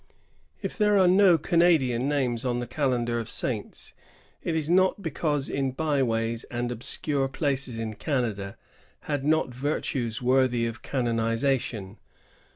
^ If there are no Canadian names on the calendar of saints, it is not because in byways and obscure places Canada had not virtues ^rthy of canonization.